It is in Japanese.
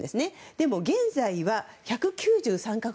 でも現在は１９３か国。